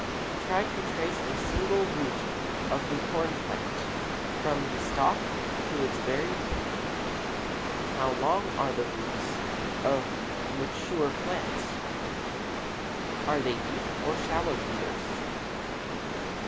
Try to trace a single root of the corn plant from the stalk to its very tip. How long are the roots of mature plants? Are they deep or shallow feeders?